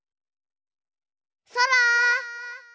そら！